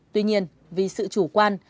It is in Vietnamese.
tuy nhiên vì sự chủ quan